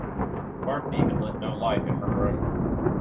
Marthe had lit no light in her room.